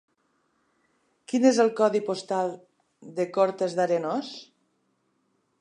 Quin és el codi postal de Cortes d'Arenós?